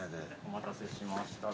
お待たせしました。